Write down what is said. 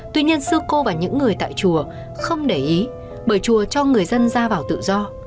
tuy nhiên sư cô và những người tại chùa không để ý bởi chùa cho người dân ra vào tự do